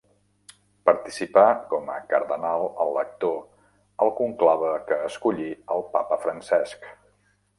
Participà com a cardenal elector al conclave que escollí el papa Francesc.